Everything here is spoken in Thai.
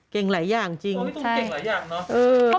เก่งหลายอย่างจริงพี่ตูนเก่งหลายอย่างนะ